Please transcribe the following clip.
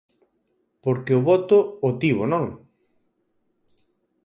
Porque o voto o tivo, ¿non?